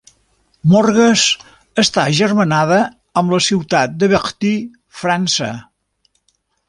Morges està agermanada amb la ciutat de Vertou, França.